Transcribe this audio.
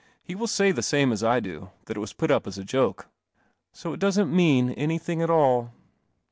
He will say the same as I do, that it was put up as a joke." " So it doesn't mean anything at all ?" 54 THE CELEST1 \I.